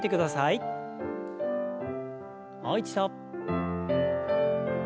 もう一度。